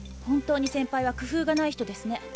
本当に先輩は工夫がない人ですね。